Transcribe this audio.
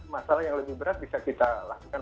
masalah yang lebih berat bisa kita lakukan